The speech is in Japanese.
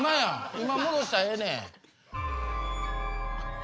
今戻したらええねん。